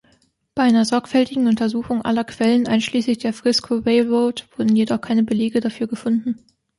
Bei einer sorgfältigen Untersuchung aller Quellen, einschließlich der Frisco Railroad, wurden jedoch keine Belege dafür gefunden.